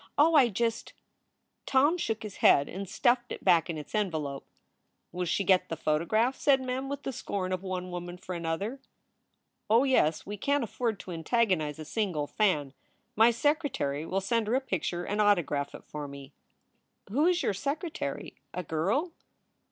Oh, I just" Tom shook his head and stuffed it back in its envelope. "Will she get the photograph?" said Mem, with the scorn of one woman for another. "Oh yes. We can t afford to antagonize a single fan. My secretary will send her a picture and autograph it for me." "Who is your secretary a girl?"